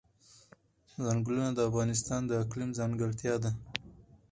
چنګلونه د افغانستان د اقلیم ځانګړتیا ده.